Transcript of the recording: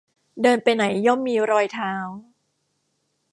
เดินไปไหนย่อมมีรอยเท้า